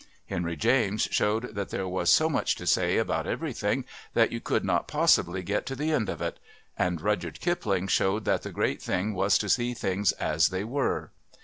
Henry James showed that there was so much to say about everything that you could not possibly get to the end of it, and Rudyard Kipling showed that the great thing was to see things as they were.